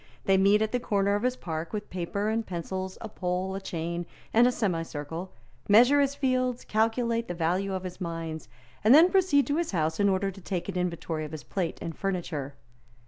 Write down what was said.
They meet at the corner of his park with paper and pencils, a pole, a chain and a semicircle, measure his fields, calculate the value of his mines, and then proceed to his house in order to take an inventory of his plate and furniture.